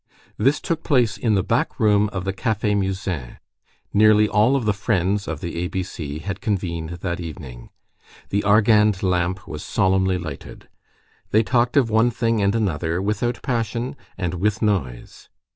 This took place in the back room of the Café Musain. Nearly all the Friends of the A B C had convened that evening. The argand lamp was solemnly lighted. They talked of one thing and another, without passion and with noise.